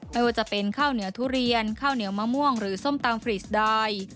ไม่ว่าจะเป็นข้าวเหนียวทุเรียนข้าวเหนียวมะม่วงหรือส้มตำฟรีสดาย